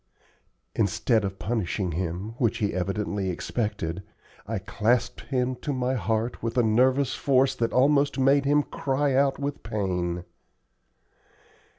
Instead of punishing him, which he evidently expected, I clasped him to my heart with a nervous force that almost made him cry out with pain.